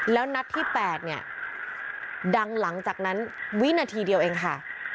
แล้วนัดที่๘เนี่ยดังหลังจากนั้นวินาทีเดียวเองค่ะ